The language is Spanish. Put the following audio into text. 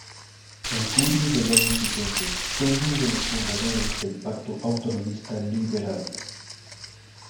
En junio del año siguiente fue uno de los fundadores del Pacto Autonomista Liberal.